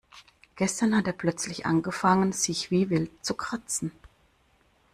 Gestern hat er plötzlich angefangen, sich wie wild zu kratzen.